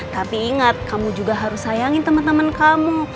tapi ingat kamu juga harus sayangin teman teman kamu